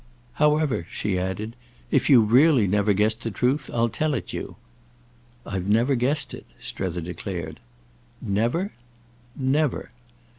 However," she added, "if you've really never guessed the truth I'll tell it you." "I've never guessed it," Strether declared. "Never?" "Never."